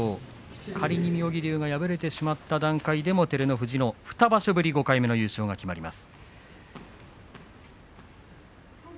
仮に妙義龍が敗れてしまった段階でも照ノ富士の２場所ぶり５回目の優勝が決まります。